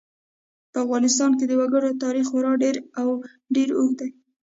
په افغانستان کې د وګړي تاریخ خورا ډېر او ډېر اوږد دی.